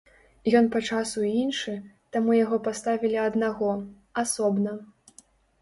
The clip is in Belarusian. Ён па часу іншы, таму яго паставілі аднаго, асобна.